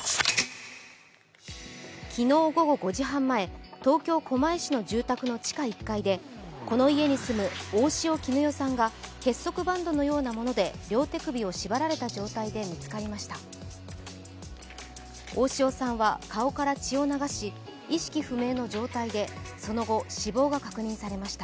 昨日午後５時半前、東京・狛江市の住宅の地下１階でこの家に住む大塩衣与さんが結束バンドのようなもので両手首を縛られた状態で見つかりました。